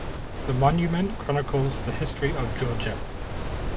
The monument chronicles the history of Georgia.